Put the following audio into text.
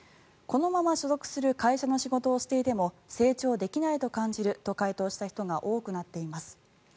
このまま所属する会社の仕事をしていても成長できないと感じると回答した人が多くなっています。